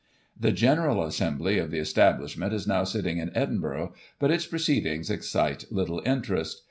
The General Assembly of the Establishment is now sitting in Edinburgh, but its proceedings excite little interest.